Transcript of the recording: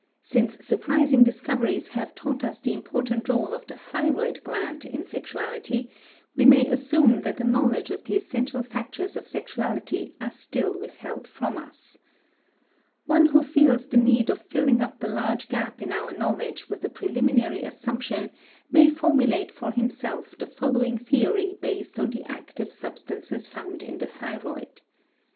Since surprising discoveries have taught us the important rôle of the thyroid gland in sexuality, we may assume that the knowledge of the essential factors of sexuality are still withheld from us. One who feels the need of filling up the large gap in our knowledge with a preliminary assumption may formulate for himself the following theory based on the active substances found in the thyroid.